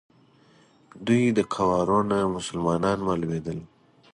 دوی د قوارو نه مسلمانان معلومېدل.